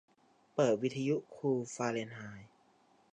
เปิดวิทยุคูลฟาเรนไฮต์